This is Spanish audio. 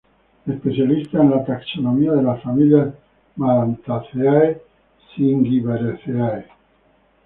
Especialista en la taxonomía de las familias Marantaceae, Zingiberaceae.